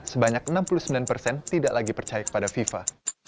sebanyak enam puluh sembilan persen tidak lagi percaya kepada fifa